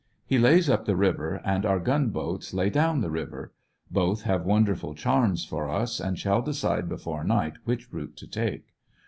He lays up the river, and our gun boats lay down the river. Both have wonderful charms for us, and shall decide before night which route to take.